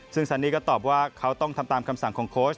ซึ่งซันนี่ก็ตอบว่าเขาต้องทำตามคำสั่งของโค้ช